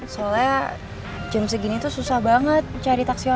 soalnya jam segini tuh susah banget cari taksi online